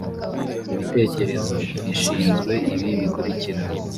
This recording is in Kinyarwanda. ibitekerezo ishinzwe ibi bikurikira